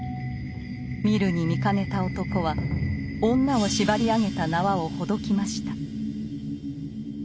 見るに見かねた男は女を縛り上げた縄をほどきました。